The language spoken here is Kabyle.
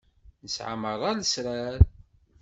Nesɛa merra lesrar.